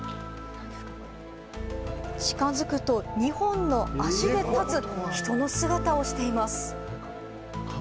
近づくと２本の足で立つ人の姿をしています。